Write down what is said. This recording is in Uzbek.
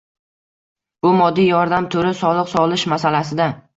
Bu moddiy yordam turi soliq solish masalasida